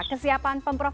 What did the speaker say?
kesiapan pemprov dki jakarta